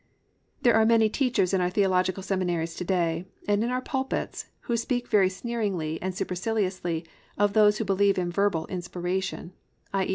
There are many teachers in our theological seminaries to day, and in our pulpits, who speak very sneeringly and superciliously of those who believe in Verbal Inspiration,—i.e.